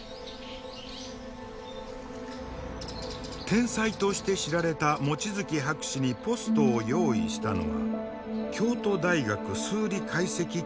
天才として知られた望月博士にポストを用意したのは京都大学数理解析研究所。